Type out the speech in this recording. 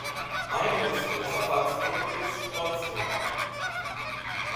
Eines der Zerfallsprodukte ist Strontium.